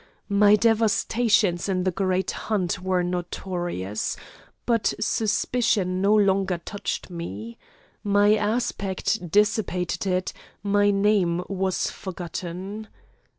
My devastations in the great hunt were notorious, but suspicion no longer touched me. My aspect dissipated it: my name was forgotten.